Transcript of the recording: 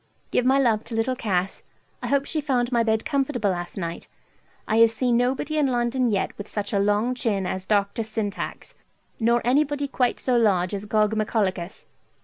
Give my love to little Cass. I hope she found my bed comfortable last night. I have seen nobody in London yet with such a long chin as Dr. Syntax, nor anybody quite so large as Gogmagolicus.